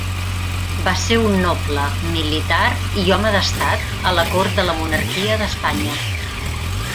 Va ser un noble, militar i home d'estat a la cort de la Monarquia d'Espanya.